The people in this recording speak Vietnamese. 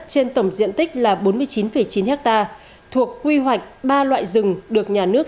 trên tổng diện tích là bốn mươi chín chín ha thuộc quy hoạch ba loại rừng được nhà nước